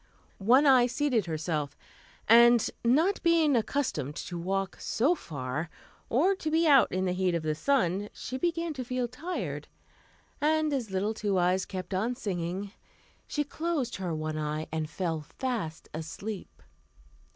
One Eye seated herself, and, not being accustomed to walk so far, or to be out in the heat of the sun, she began to feel tired, and as little Two Eyes kept on singing, she closed her one eye and fell fast asleep.